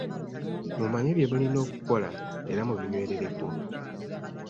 Mumanye bye mulina okukola era mubinywerereko.